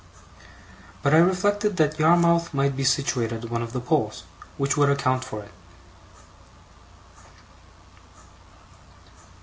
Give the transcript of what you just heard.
But I reflected that Yarmouth might be situated at one of the poles; which would account for it.